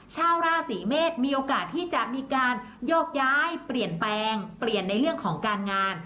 ชาวราศีเมษมีโอกาสที่จะมีการโยกย้ายเปลี่ยนแปลงเปลี่ยนในเรื่องของการงาน